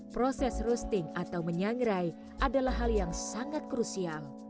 proses roasting atau menyangrai adalah hal yang sangat krusial